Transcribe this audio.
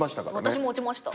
私も落ちました。